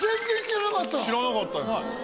知らなかったです。